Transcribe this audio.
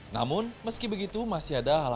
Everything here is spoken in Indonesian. namun meski begitu masih ada hal hal